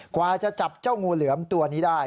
กว่าจะจับเจ้างูเหลือมตัวนี้ได้